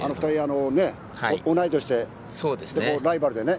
あの２人、同い年でライバルでね。